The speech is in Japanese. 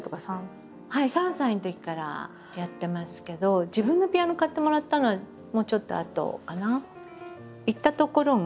はい３歳のときからやってますけど自分のピアノを買ってもらったのはもうちょっとあとかな。